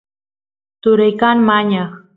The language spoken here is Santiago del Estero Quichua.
turay kan mañaq